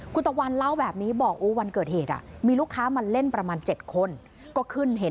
คุณตะวันเล่าแบบนี้บอกวันเกิดเหตุมีลูกค้ามาเล่นประมาณ๗คนก็ขึ้นเห็น